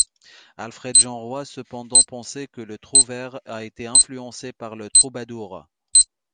Alfred Jeanroy cependant pensait que le trouvère a été influencé par le troubadour.